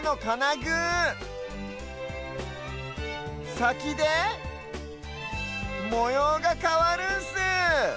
さきでもようがかわるんす。